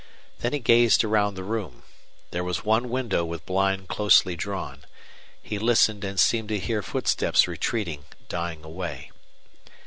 Then he gazed around the room. There was one window with blind closely drawn. He listened and seemed to hear footsteps retreating, dying away.